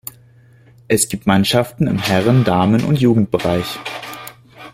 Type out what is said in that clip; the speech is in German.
Es gibt Mannschaften im Herren-, Damen- und Jugendbereich.